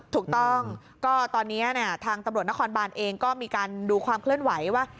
ถูกต้องก็ตอนนี้ทางตำรวจนครบานเองก็มีการดูความเคลื่อนไหวว่า